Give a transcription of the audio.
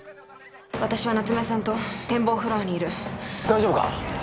私は夏梅さんと展望フロアにいる大丈夫か？